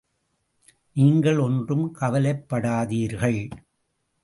நீங்கள் ஒன்றும் கவலைப்படாதீர்கள்!